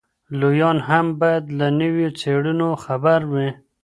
لویان هم باید له نویو څېړنو خبر وي.